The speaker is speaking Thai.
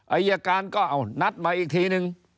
อายการก็เอานัดมาอีกทีนึง